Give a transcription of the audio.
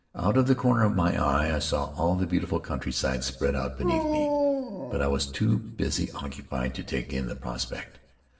Out of the corner of my eye I saw all the beautiful countryside spread out beneath me, but I was too busily occupied to take in the prospect.